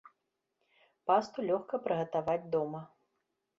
Пасту лёгка прыгатаваць дома.